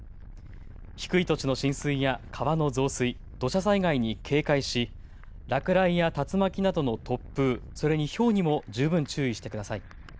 低い土地の浸水や川の増水、土砂災害に警戒し落雷や竜巻などの突風、それにひょうにも十分注意してください。